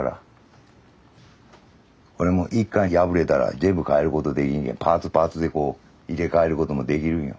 これもう一回破れたら全部替えることできんけパーツパーツでこう入れ替えることもできるんよ。